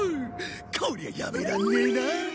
こりゃやめらんねえな！